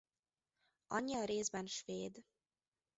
Anyja részben svéd.